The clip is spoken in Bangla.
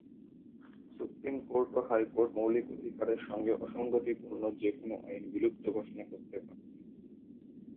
সুপ্রিমকোর্ট ও হাইকোর্ট মৌলিক অধিকারের সঙ্গে অসঙ্গতিপূর্ণ যেকোন আইন বিলুপ্ত ঘোষণা করতে পারত।